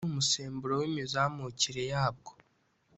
ari umusemburo w'imizamukire yabwo.